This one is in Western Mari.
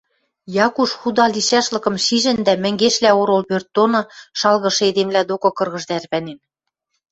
Якуш худа лишӓшлыкым шижӹн дӓ мӹнгешлӓ орол пӧрт доны шалгышы эдемвлӓ докы кыргыж тӓрвӓнен.